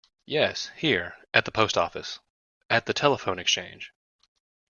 Yes, here; at the post office — at the telephone exchange.